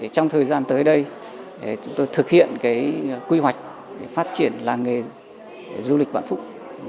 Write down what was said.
trong thời gian tới đây chúng tôi thực hiện quy hoạch phát triển làng nghề du lịch vạn phúc